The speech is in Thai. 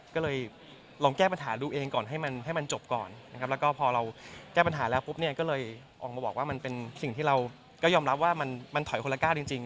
ก็เลยลองแก้ปัญหาดูเองก่อนให้มันให้มันจบก่อนนะครับแล้วก็พอเราแก้ปัญหาแล้วปุ๊บเนี่ยก็เลยออกมาบอกว่ามันเป็นสิ่งที่เราก็ยอมรับว่ามันถอยคนละก้าวจริง